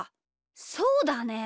そうだね！